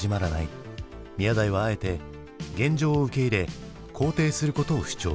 宮台はあえて現状を受け入れ肯定することを主張。